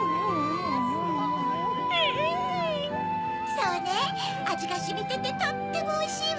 そうねあじがしみててとってもおいしいわ！